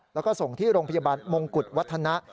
แล้วก็ส่งที่โรงพยาบาลมงกุฎวัฒนะ